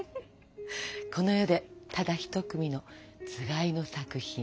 この世でただひと組のつがいの作品。